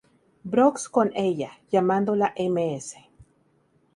Brooks con ella, llamándola Ms.